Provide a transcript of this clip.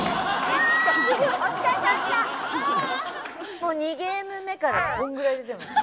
もう２ゲーム目からこのぐらい出てました。